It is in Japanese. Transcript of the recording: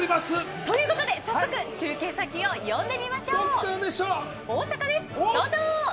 ということで早速、中継先を呼んでみましょう。